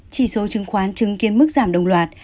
chỉ số chứng khoán chứng kiến mức giảm đồng loạt